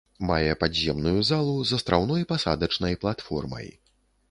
Мае падземную залу з астраўной пасадачнай платформай.